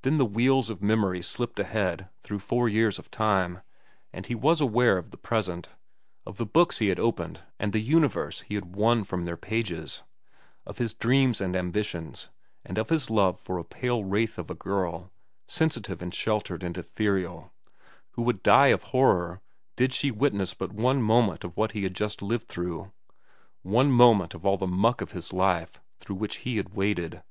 Then the wheels of memory slipped ahead through four years of time, and he was aware of the present, of the books he had opened and the universe he had won from their pages, of his dreams and ambitions, and of his love for a pale wraith of a girl, sensitive and sheltered and ethereal, who would die of horror did she witness but one moment of what he had just lived through—one moment of all the muck of life through which he had waded.